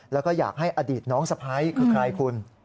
แล้วก็อยากให้อดีตน้องสะพ้ายคือใครคุณ